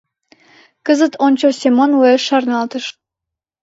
Кызыт, ончо, Семон уэш шарналтыш.